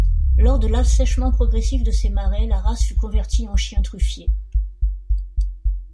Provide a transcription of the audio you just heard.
Lors de l'assèchement progressif de ces marais, la race fut convertie en chien truffier.